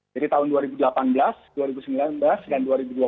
jadi tahun dua ribu delapan belas dua ribu sembilan belas dan dua ribu dua puluh